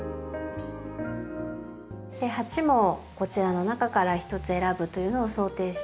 鉢もこちらの中からひとつ選ぶというのを想定して。